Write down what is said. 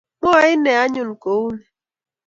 Mwae ine anyun ko u ni.